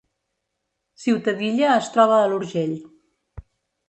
Ciutadilla es troba a l’Urgell